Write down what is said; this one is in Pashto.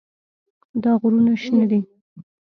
دا غرونه شنه دي.